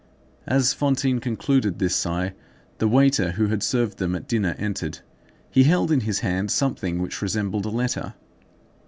As Fantine concluded this sigh, the waiter who had served them at dinner entered. He held in his hand something which resembled a letter.